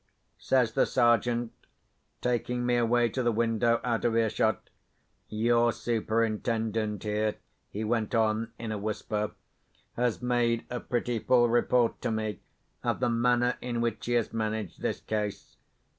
says the Sergeant, taking me away to the window, out of earshot, "Your Superintendent here," he went on, in a whisper, "has made a pretty full report to me of the manner in which he has managed this case.